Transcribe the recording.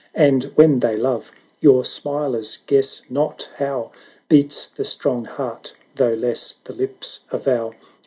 And when they love, your smilers guess not how Beats the strong heart, though less the lips avow.